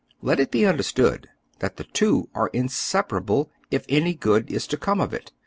Let it be well understood that the two are iuseparable, if any good is to come of it.